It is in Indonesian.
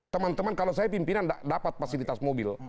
teman teman kalau saya pimpinan dapat fasilitas mobil